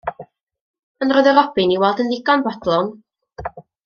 Ond roedd y robin i weld yn ddigon bodlon.